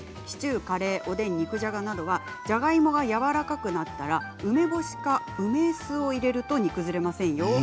シチュー、カレー、おでん肉じゃがなどはじゃがいもがやわらかくなったら梅干しか梅酢を入れると煮崩れませんよ。